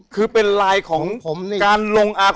คือเป็นลายของ๙๑๑